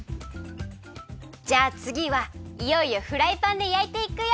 じゃあつぎはいよいよフライパンでやいていくよ。